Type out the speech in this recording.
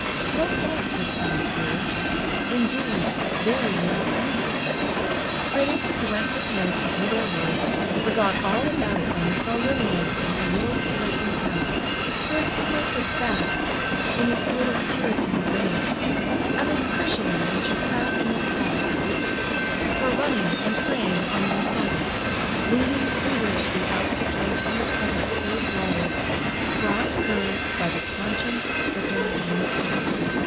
No fault was found here—indeed, very little anywhere. Critics who went prepared to do their worst, forgot all about it when they saw Lillian in her little Puritan cap, her expressive back in its little Puritan waist, and especially when she sat in the stocks, "for running and playing on ye Sabbath," leaning feverishly out to drink from the cup of cold water brought her by the conscience stricken minister.